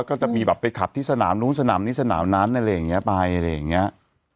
ก็จะมีแบบไปขับที่สนามนู้นสนามนี้สนามนั้นอะไรอย่างนี้ไปอะไรอย่างเงี้ย